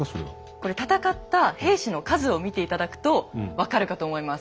これ戦った兵士の数を見て頂くと分かるかと思います。